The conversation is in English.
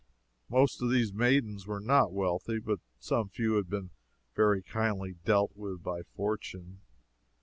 Most of these maidens were not wealthy, but some few had been very kindly dealt with by fortune.